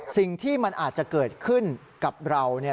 สิ่งที่มันอาจจะเกิดขึ้นกับเราเนี่ย